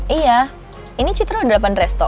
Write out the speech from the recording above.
iya ini citra udah dapet restok